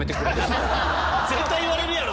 絶対言われるやろ！